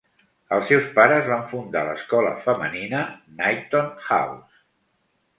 Els seus pares van fundar l'escola femenina Knighton House.